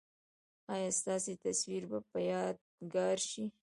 ایا ستاسو تصویر به یادګار شي؟